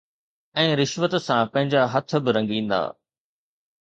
۽ رشوت سان پنهنجا هٿ به رنگيندا.